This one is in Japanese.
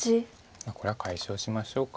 これは解消しましょうか。